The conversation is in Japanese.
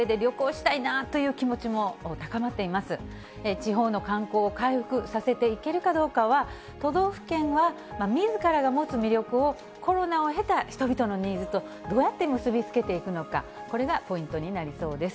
地方の観光を回復させていけるかどうかは、都道府県はみずからが持つ魅力を、コロナを経た人々のニーズとどうやって結び付けていくのか、これがポイントになりそうです。